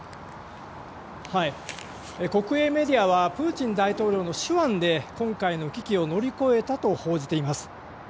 国営メディアはプーチン大統領の手腕で今回の危機を乗り越えたと報じています。